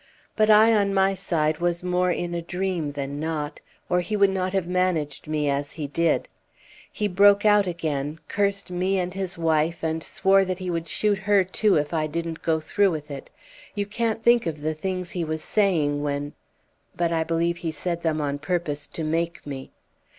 But I, on my side, was more in a dream than not, or he would not have managed me as he did. He broke out again, cursed me and his wife, and swore that he would shoot her too if I didn't go through with it. You can't think of the things he was saying when but I believe he said them on purpose to make me.